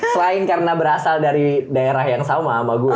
selain karena berasal dari daerah yang sama gue